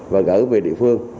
và gửi về địa phương